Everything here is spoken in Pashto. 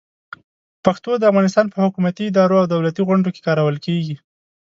پښتو د افغانستان په حکومتي ادارو او دولتي غونډو کې کارول کېږي.